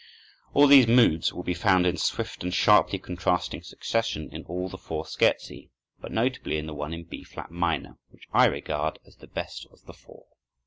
All these moods will be found in swift and sharply contrasting succession in all the four scherzi, but notably in the one in B flat minor, which I regard as the best of the four.